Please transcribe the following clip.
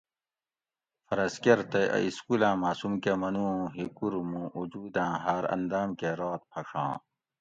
فرض کۤر تئ اۤ اِسکولاۤں ماۤسوم کۤہ منُو اُوں ھِکور مُوں اوجوداۤں ہاۤر انداۤم کۤہ رات پھڛاں